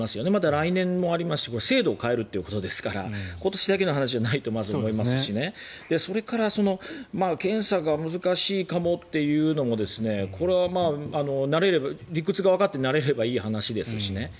また来年もありますし制度を変えるということですから今年だけの話じゃないと思いますし、それから検査が難しいかもっていうのもこれは理屈がわかって慣れればいい話ですしね。